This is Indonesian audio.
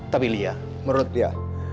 tapi lya menurut lya